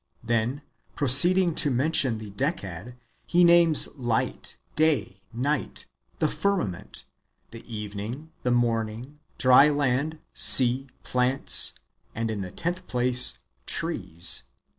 Then, proceeding to mention the Decad, he names light, day, night, the firmament, the evening, the morning, dry land, sea, plants, and, in the tenth place, trees.